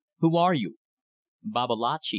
"Who are you?" "Babalatchi.